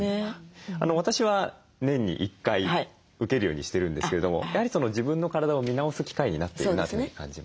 私は年に１回受けるようにしてるんですけれどもやはり自分の体を見直す機会になっているなというふうに感じますね。